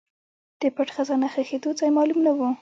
د پټ خزانه ښخېدو ځای معلوم نه و.